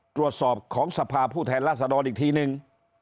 ตรวจสอบของสภาผู้แทนราษฎรอีกทีนึง